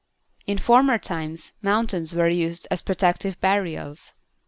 ] In former times mountains were used as protective barriers.